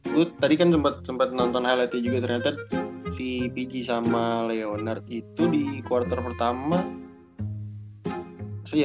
gua tadi kan sempet nonton highlightnya juga ternyata si pg sama leonard itu di quarter pertama